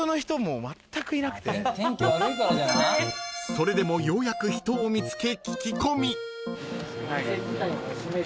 ［それでもようやく人を見つけ］